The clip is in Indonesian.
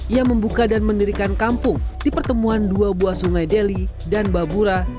ia membuka dan mendirikan kampung di pertemuan dua buah sungai deli dan babura